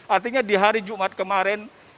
artinya di hari jumat kemarin